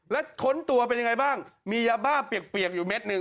แล้วค้นตัวเป็นยังไงบ้างมียาบ้าเปียกอยู่เม็ดหนึ่ง